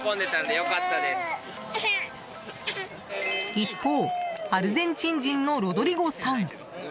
一方、アルゼンチン人のロドリゴさん。